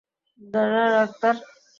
জানি না, ডাক্তার।